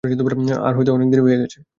আর হয়তো অনেক দেরিও হয়ে গেছে।